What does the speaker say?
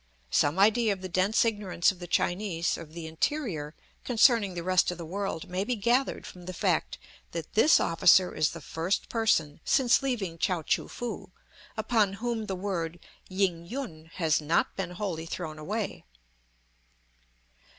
Some idea of the dense ignorance of the Chinese of the interior concerning the rest of the world may be gathered from the fact that this officer is the first person since leaving Chao choo foo, upon whom the word "Ying yun" has not been wholly thrown away.